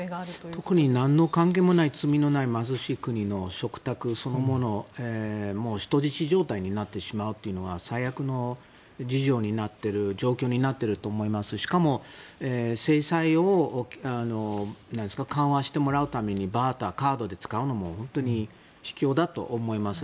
特に何の関係のない罪のない貧しい国の食卓そのものが人質状態になってしまうのが最悪な状況になってると思いますししかも制裁を緩和してもらうためにカードとして使うのも本当に卑怯だと思います。